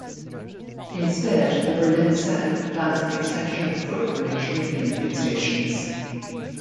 Instead, the Berlin Senate plans an extension of a footbridge linking the two stations.